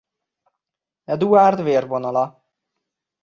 Eduárd vérvonala.